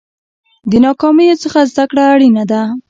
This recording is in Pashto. د ناکامیو څخه زده کړه اړینه ده.